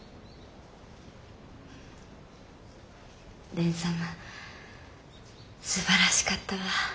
蓮様すばらしかったわ。